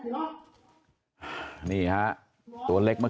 วันนี้เหมือนไงนะครับ